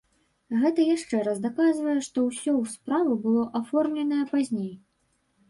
Гэта яшчэ раз даказвае, што ўсё ў справу было аформленае пазней.